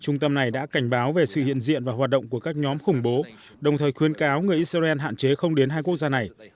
trung tâm này đã cảnh báo về sự hiện diện và hoạt động của các nhóm khủng bố đồng thời khuyên cáo người israel hạn chế không đến hai quốc gia này